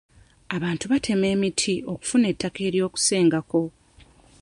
Abantu batema emiti okufuna ettaka ery'okusenga ko.